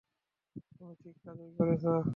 তুমি ঠিক কাজই করেছো।